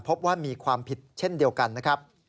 พบว่ามีความผิดเช่นเดียวกันนะครับ